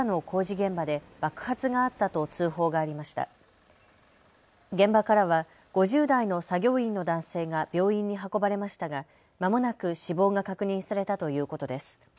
現場からは５０代の作業員の男性が病院に運ばれましたがまもなく死亡が確認されたということです。